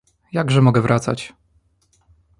Jakże mogę wracać?